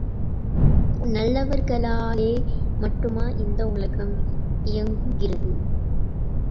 நல்லவர்களாலே மட்டுமா இந்த உலகம் இயங்குகிறது.